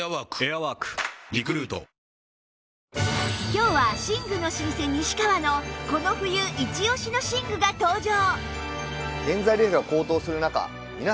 今日は寝具の老舗西川のこの冬イチオシの寝具が登場！